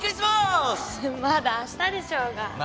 まだあしたでしょうが。